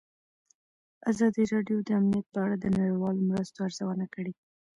ازادي راډیو د امنیت په اړه د نړیوالو مرستو ارزونه کړې.